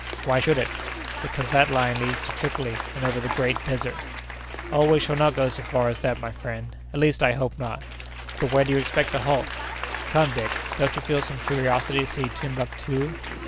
"Why should it?" "Because that line leads to Tripoli, and over the Great Desert." "Oh, we shall not go so far as that, my friend—at least, I hope not." "But where do you expect to halt?" "Come, Dick, don't you feel some curiosity to see Timbuctoo?"